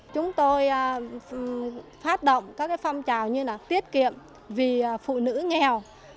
chúng tôi phát động các cái phong trào như là tiết kiệm vì phụ nữ nghèo